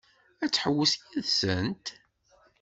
Ad tḥewwes yid-sent?